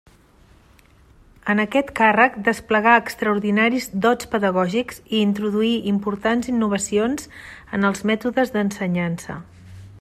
En aquest càrrec desplegà extraordinaris dots pedagògics i introduí importants innovacions en els mètodes d'ensenyança.